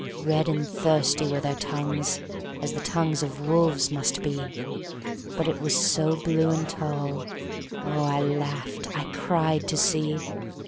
Red and thirsty were their tongues, As the tongues of wolves must be, But it was so blue and tall Oh, I laughed, I cried, to see!